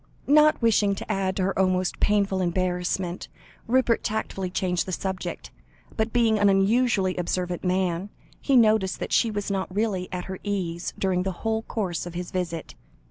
Not wishing to add to her almost painful embarrassment, Rupert tactfully changed the subject, but being an unusually observant man, he noticed that she was not really at her ease during the whole course of his visit.